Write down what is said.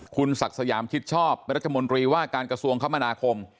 คุณศักดิ์สยามชิดชอบเป็นรัฐมนตรีว่าการกระทรวงคมนาคม